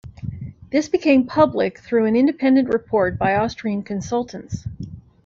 This became public through an independent report by Austrian consultants.